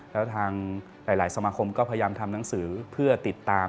แล้วทางหลายสมาคมก็พยายามทำหนังสือเพื่อติดตาม